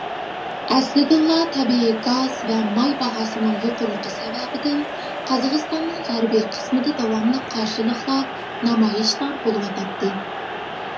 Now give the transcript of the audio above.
ئەسلىدىنلا تەبىئىي گاز ۋە ماي باھاسىنىڭ يۇقىرىلىقى سەۋەبىدىن قازاقىستاننىڭ غەربى قىسمىدا داۋاملىق قارشىلىقلار، نامايىشلار بولۇۋاتاتتى.